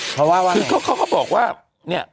เพราะว่าว่าไงเขาก็บอกว่า